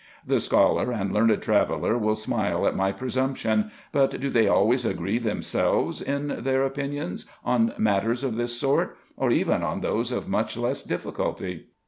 The scholar and learned traveller will smile at my presumption, but do they always agree themselves in their opinions on matters of this sort, or even on those of much less difficulty